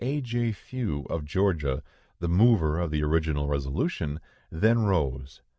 A. J. Few, of Georgia, the mover of the original resolution, then rose.